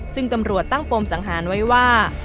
ซึ่งตำรวจตั้งปมสังหารไว้ว่า